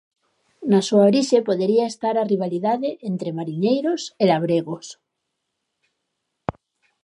Na súa orixe podería estar a rivalidade entre mariñeiros e labregos.